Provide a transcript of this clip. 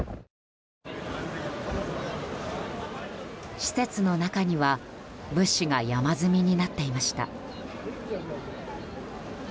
施設の中は物資が山積みになっていました。